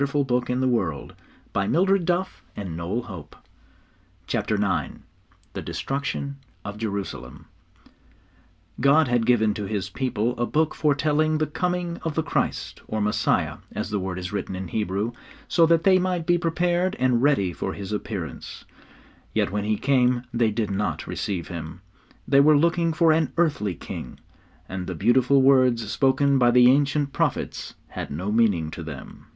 CHAPTER IX THE DESTRUCTION OF JERUSALEM [Illustration: (drop cap G) Ruins of a Synagogue] God had given to His people a Book foretelling the coming of the Christ or Messiah, as the word is written in Hebrew so that they might be prepared and ready for His appearance. Yet when He came they did not receive Him. They were looking for an earthly king, and the beautiful words spoken by the ancient prophets had no meaning to them.